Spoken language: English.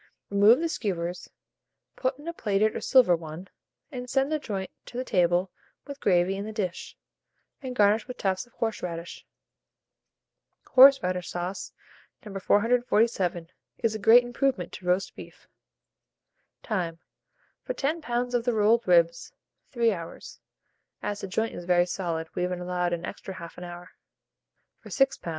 Remove the skewers, put in a plated or silver one, and send the joint to table with gravy in the dish, and garnish with tufts of horseradish. Horseradish sauce, No. 447, is a great improvement to roast beef. Time. For 10 lbs. of the rolled ribs, 3 hours (as the joint is very solid, we have allowed an extra 1/2 hour); for 6 lbs.